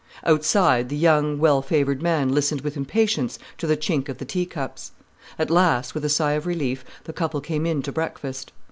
Outside, the young, well favoured man listened with impatience to the chink of the teacups. At last, with a sigh of relief, the couple came in to breakfast.